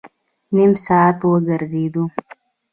نیم ساعت وګرځېدو.